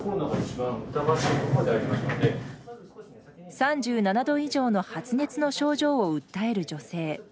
３７度以上の発熱の症状を訴える女性。